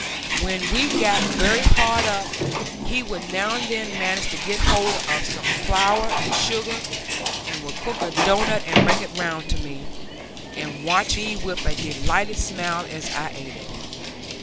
When we got very hard up, he would now and then manage to get hold of some flour and sugar, and would cook a doughnut and bring it round to me, and watch me with a delighted smile as I ate it.